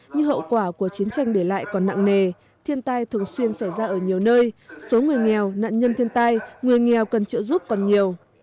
như hậu quả của chiến tranh để lại còn nặng nề thiên tai thường xuyên xảy ra ở nhiều nơi số người nghèo nạn nhân thiên tai người nghèo cần trợ giúp còn nhiều